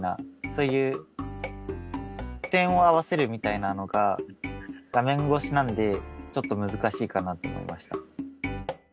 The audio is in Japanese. そういう視線を合わせるみたいなのが画面越しなんでちょっと難しいかなと思いました。